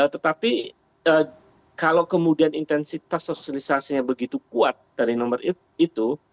tetapi kalau kemudian intensitas sosialisasinya begitu kuat dari nomor itu